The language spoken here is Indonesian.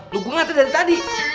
lo gue ngatain dari tadi